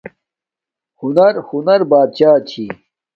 ہنر، ہنر بات شاہ